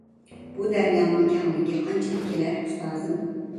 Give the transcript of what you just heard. بۇ دەريانىڭ كەڭلىكى قانچىلىك كېلەر، ئۇستازىم؟